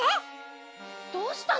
どうしたの？